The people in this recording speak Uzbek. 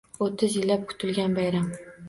Oʻttiz yillab kutilgan bayram